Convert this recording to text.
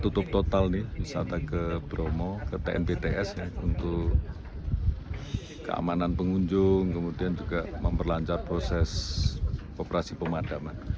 tutup total nih wisata ke bromo ke tnbts untuk keamanan pengunjung kemudian juga memperlancar proses operasi pemadaman